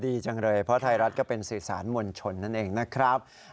ดีจังเลยเพราะไทยรัฐก็เป็นสื่อสารมวลชนนั่นเองนะครับ